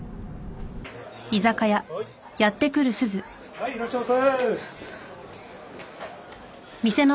はいいらっしゃいませ。